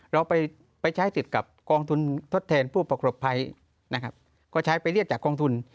เราไปใช้สิทธิ์กับกองทุนทดแทนผู้ประสบภัยนะครับก็ใช้ไปเรียกจากกองทุน